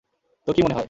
তো, কী মনে হয়?